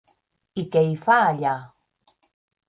I què hi fa allà?